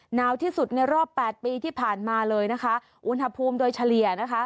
หนาวที่สุดในรอบแปดปีที่ผ่านมาเลยนะคะอุณหภูมิโดยเฉลี่ยนะคะ